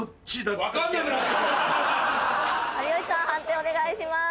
判定お願いします。